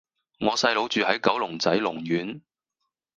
我細佬住喺九龍仔龍苑